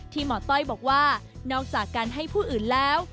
หมอต้อยบอกว่านอกจากการให้ผู้อื่นแล้ว